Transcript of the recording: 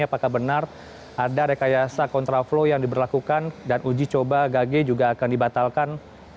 apakah benar ada rekayasa kontraflow yang diberlakukan dan uji coba gage juga akan dibatalkan